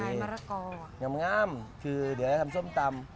น้ำงามคือเดี๋ยวให้ทำส้มตำ